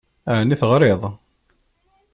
Ɛni teɣṛiḍ?